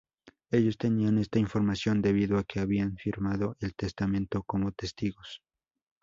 Ellos tenían esta información debido a que habían firmado el testamento como testigos.